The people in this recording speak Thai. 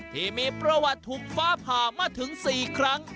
ที่มีประวัติถูกฟ้าผ่ามาถึง๔ครั้ง